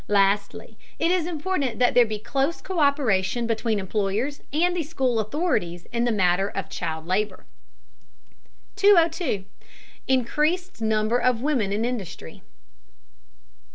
Lastly, it is important that there be close co÷peration between employers and the school authorities in the matter of child labor. 202. INCREASED NUMBER OF WOMEN IN INDUSTRY.